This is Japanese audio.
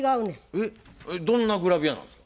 えっどんなグラビアなんですか？